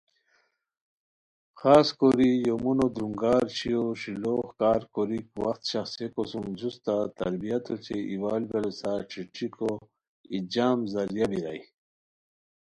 خاص کوری یومونو درونگار چھویو شیلوغ کارکوریک وقت شخڅیکو سوم جوستہ تربیت اوچے ایوال ایوالیوسار ݯھیݯھیکو ای جم ذریعہ بیرائے